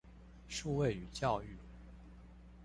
數位與教育